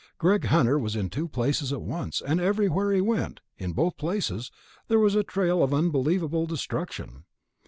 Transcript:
Greg Hunter was in two places at once, and everywhere he went ... in both places ... there was a trail of unbelievable destruction.